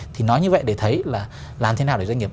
thì nói như vậy để thấy là làm thế nào để doanh nghiệp